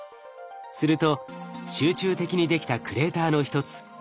すると集中的にできたクレーターの一つ